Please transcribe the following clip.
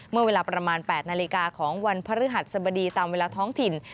เมื่อเวลาประมาณ๘นาฬิกาของวันพฤหัสสบดีตามเวลาท้องถิ่น